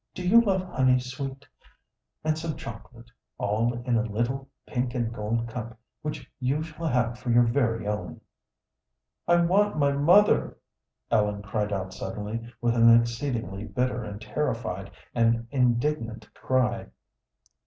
Do you love honey, sweet? And some chocolate, all in a little pink and gold cup which you shall have for your very own." "I want my mother!" Ellen cried out suddenly, with an exceedingly bitter and terrified and indignant cry.